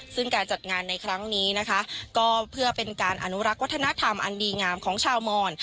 ซึ่งการจัดงานในครั้งนี้นะคะก็เพื่อเป็นการอนุรักษ์วัฒนธรรมอันดีงามของชาวมอน